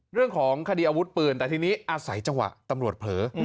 เรื่องของคดีอาวุธปืนแต่ทีนี้อาศัยจังหวะตำรวจเผลอ